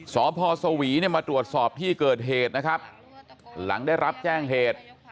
สพสวีเนี่ยมาตรวจสอบที่เกิดเหตุนะครับหลังได้รับแจ้งเหตุ